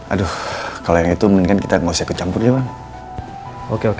aduh kayak itu mungkin kita eko camp tas surely